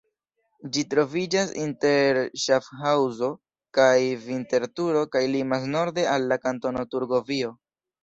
Ĝi troviĝas inter Ŝafhaŭzo kaj Vinterturo kaj limas norde al la Kantono Turgovio.